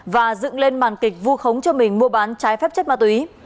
và dựng lên màn kịch vu khống cho mình mua bán trái phép chất ma túy